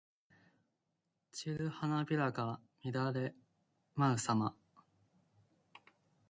散る花びらが乱れ舞うさま。